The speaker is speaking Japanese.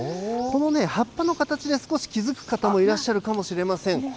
このね、葉っぱの形で気付く方もいらっしゃるかもしれません。